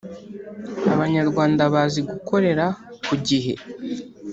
Abanyarwanda bazi gukorera ku gihe